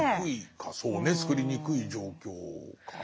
そうねつくりにくい状況かな。